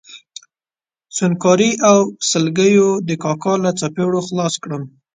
سونګاري او سلګیو د کاکا له څپېړو خلاص کړم.